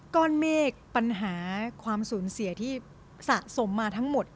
ก้อนเมฆปัญหาความสูญเสียที่สะสมมาทั้งหมด